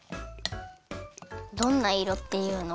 どんないろっていうの？